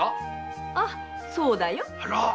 ああそうだよ。